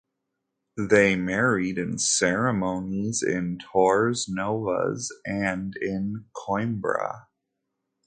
They married in ceremonies in Torres Novas and in Coimbra.